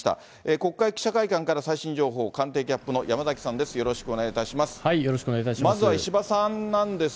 国会記者会館から最新情報を官邸キャップの山崎さんです。